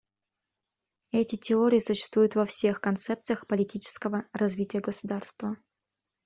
Эти теории существуют во всех концепциях политического развития государства.